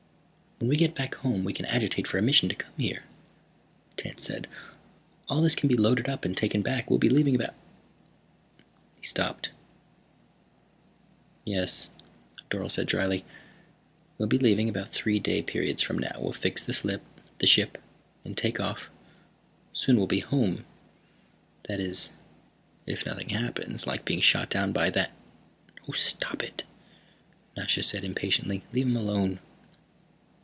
"When we get back home we can agitate for a mission to come here," Tance said. "All this can be loaded up and taken back. We'll be leaving about " He stopped. "Yes," Dorle said dryly. "We'll be leaving about three day periods from now. We'll fix the ship, then take off. Soon we'll be home, that is, if nothing happens. Like being shot down by that " "Oh, stop it!" Nasha said impatiently. "Leave him alone.